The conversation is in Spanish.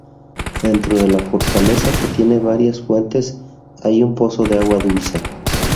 Dentro de la fortaleza, que tiene varias fuentes, hay un pozo de agua dulce.